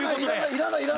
いらない？